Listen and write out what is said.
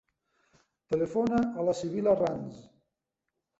Telefona a la Sibil·la Ranz.